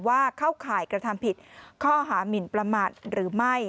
เข้าข่ายกระทำผิดข้อหามินประมาทหรือไม่